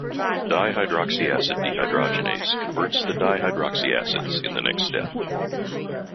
Dihydroxyacid dehygrogenase converts the dihyroxyacids in the next step.